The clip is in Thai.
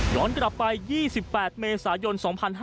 ย้อนกลับไป๒๘เมษายน๒๕๖๑